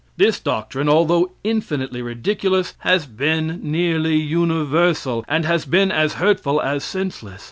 This doctrine, although infinitely ridiculous, has been nearly universal, and has been as hurtful as senseless.